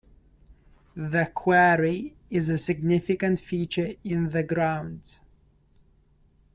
The quarry is a significant feature in the grounds.